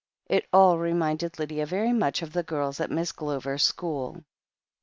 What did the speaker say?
It all reminded Lydia very much of the girls at Miss Glover's school.